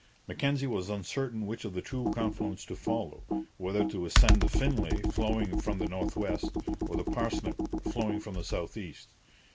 Mackenzie was uncertain which of the two confluents to follow whether to ascend the Finlay, flowing from the north west, or the Parsnip, flowing from the south east.